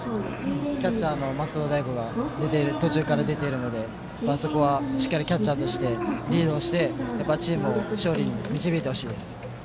キャッチャーの松尾大悟が途中から出ているので、そこはしっかりキャッチャーとしてリードして、チームを勝利に導いてほしいです。